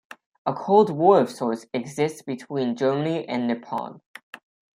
A cold war of sorts exists between Germany and Nippon.